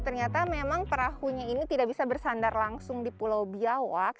ternyata memang perahunya ini tidak bisa bersandar langsung di pulau biawak